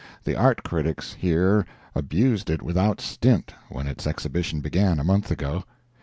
The art critics here abused it without stint when its exhibition began, a month ago.